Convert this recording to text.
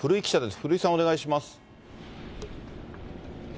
古井さん、お願いします。